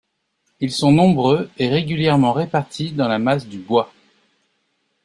Ils sont nombreux et régulièrement répartis dans la masse du bois.